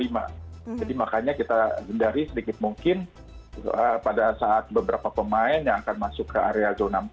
jadi makanya kita hindari sedikit mungkin pada saat beberapa pemain yang akan masuk ke area zona empat